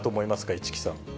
市來さん。